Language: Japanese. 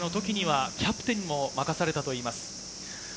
中央、４年生のときにはキャプテンを任されたといいます。